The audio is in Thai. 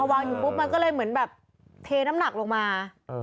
วางอยู่ปุ๊บมันก็เลยเหมือนแบบเทน้ำหนักลงมา